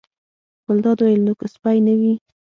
ګلداد وویل: نو که سپی نه وي.